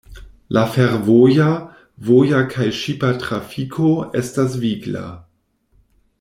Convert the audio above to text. La fervoja, voja kaj ŝipa trafiko estas vigla.